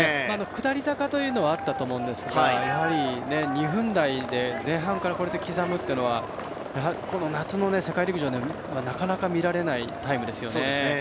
下り坂というのはあったと思うんですが２分台で前半からこれで刻むっていうのはこの夏の世界陸上ではなかなか見られないタイムですね。